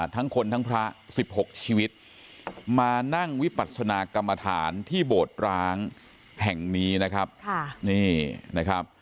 ทั้งคนทั้งพระ๑๖ชีวิตมานั่งวิปัศนากรรมฐานที่โบสถ์ร้างแห่งนี้นะครับนี่นะครับ